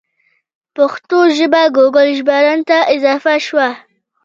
پښتو ژبه ګوګل ژباړن ته اضافه شوه.